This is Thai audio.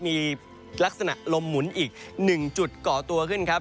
มีลักษณะลมหมุนอีก๑จุดก่อตัวขึ้นครับ